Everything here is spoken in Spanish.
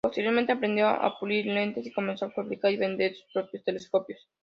Posteriormente, aprendió a pulir lentes y comenzó a fabricar y vender sus propios telescopios.